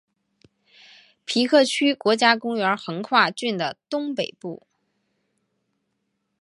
皮克区国家公园横跨郡的东北部。